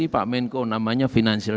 pak menko namanya financial